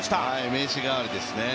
名刺代わりですね。